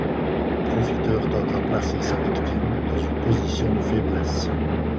Le profiteur tente à placer sa victime dans une position de faiblesse.